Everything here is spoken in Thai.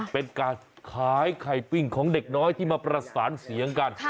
เป็นการขายไข่ปิ้งของเด็กน้อยที่มาประสานเสียงกัน